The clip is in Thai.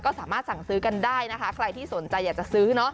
ก็สามารถสั่งซื้อกันได้นะคะใครที่สนใจอยากจะซื้อเนอะ